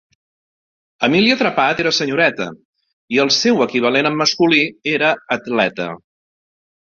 Emília Trepat era senyoreta i el seu equivalent en masculí era atleta.